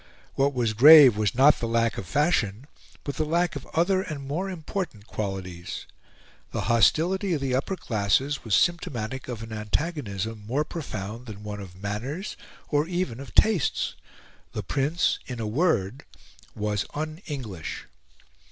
What was grave was not the lack of fashion, but the lack of other and more important qualities. The hostility of the upper classes was symptomatic of an antagonism more profound than one of manners or even of tastes. The Prince, in a word, was un English.